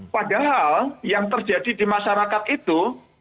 padahal yang terjadi di masyarakat itu